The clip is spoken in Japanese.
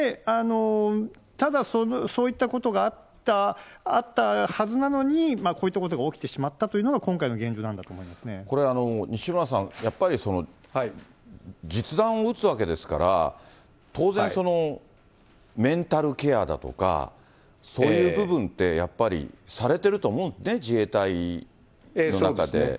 ただ、そういったことがあったはずなのに、こういったことが起きてしまったというのが、これ、西村さん、やっぱり実弾を撃つわけですから、当然メンタルケアだとか、そういう部分って、されてると思うんですね、自衛隊の中で。